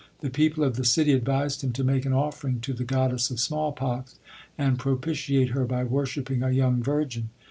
The people of the city advised him to make an offering to the goddess of small pox, and propitiate her by worship ping a young virgin.